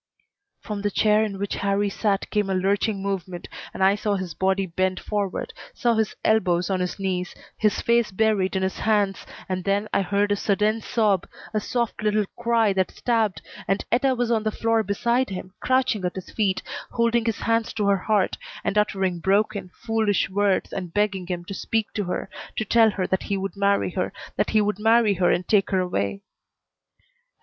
From the chair in which Harrie sat came a lurching movement, and I saw his body bend forward, saw his elbows on his knees, his face buried in his hands, and then I heard a sudden sob, a soft, little cry that stabbed, and Etta was on the floor beside him, crouching at his feet, holding his hands to her heart, and uttering broken, foolish words and begging him to speak to her, to tell her that he would marry her that he would marry her and take her away.